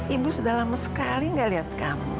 ibu sudah lama sekali gak lihat kamu